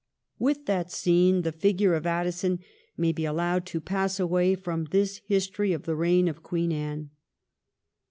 With that scene the figure of Addison may be allowed to pass away from this history of the reign of Queen Anne.